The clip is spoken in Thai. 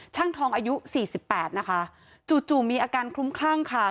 ช่างทองอายุ๔๘นะคะจู่มีอาการคลุ้มคลั่งค่ะ